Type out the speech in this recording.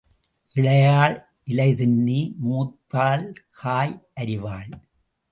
இளையாள் இலை தின்னி மூத்தாள் காய் அரிவாள்.